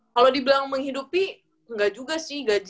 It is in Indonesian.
kalau dibilang menghidupi gak juga sih